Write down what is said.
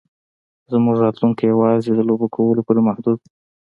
زموږ راتلونکی یوازې د لوبو کولو پورې محدود و